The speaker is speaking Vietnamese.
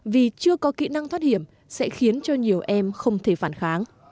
vì chưa có kỹ năng thoát hiểm sẽ khiến cho nhiều em không thể phản kháng